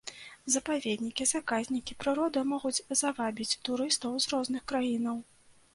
Запаведнікі, заказнікі, прырода могуць завабіць турыстаў з розных краінаў.